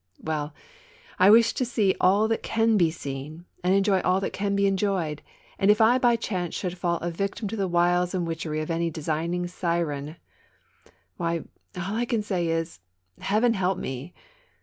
Well, I wish to see all that can be seen and enjoy all that can be enjoyed, and if I by chance should fall a victim to the wiles and witchery of any designing siren — why, all I can say is — Heaven help me!